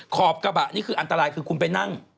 ขอบกระบะนี่คืออันตรายคือคุณไปนั่ง